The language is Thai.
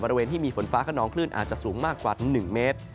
บริเวณที่มีฝนฟ้าขนองคลื่นอาจจะสูงมากกว่า๑เมตร